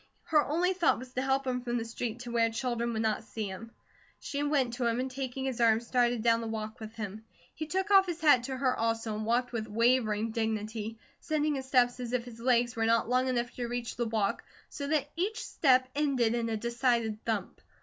Her only thought was to help him from the street, to where children would not see him. She went to him and taking his arm started down the walk with him. He took off his hat to her also, and walked with wavering dignity, setting his steps as if his legs were not long enough to reach the walk, so that each step ended with a decided thump.